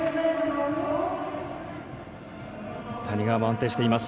谷川も安定しています。